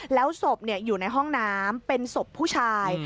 แล้วศพอยู่ในห้องน้ำเป็นศพผู้ชาย